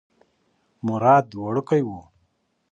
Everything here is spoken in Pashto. مراد وړوکی و.